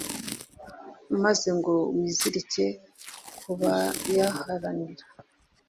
maze ngo wizirike ku bayaharanira